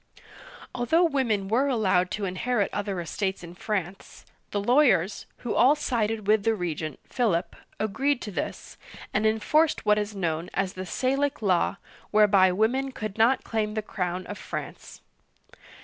(1322 1328) 145 Although women were allowed to inherit other estates in France, the lawyers — who all sided with the regent, Philip — agreed to this, and enforced what is known as the " Sal'ic Law, whereby women could not claim the crown of France.